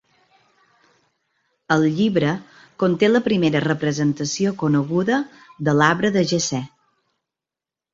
El llibre conté la primera representació coneguda de l'"Arbre de Jessè".